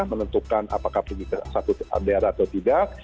menentukan apakah pergi ke satu daerah atau tidak